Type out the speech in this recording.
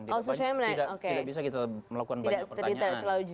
tidak bisa kita melakukan banyak pertanyaan